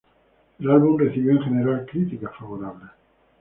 El álbum recibió en general críticas favorables.